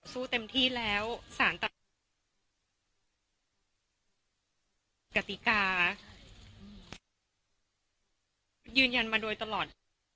สู้เต็มที่แล้วสารต่างจากกติกายืนยันมาโดยตลอด